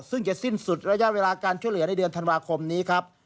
ซึ่งจะสิ้นสุดระยะเวลาการช่วยเหลือในเดือนธันวาคมนี้ครับ